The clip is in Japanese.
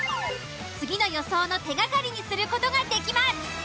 次の予想の手がかりにする事ができます。